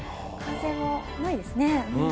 風もないですね。